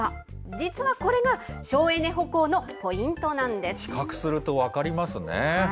実はこれが省エネ歩行のポイント比較すると分かりますね。